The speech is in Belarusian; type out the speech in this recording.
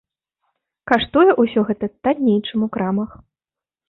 Каштуе ўсё гэта танней, чым у крамах.